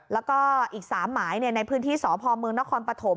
แล้วก็อีก๓หมายในพื้นที่สพเมืองนครปฐม